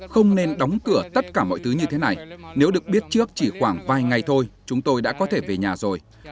không nên đóng cửa tất cả mọi thứ như thế này nếu được biết trước chỉ khoảng vài ngày thôi chúng tôi đã có thể về nhà rồi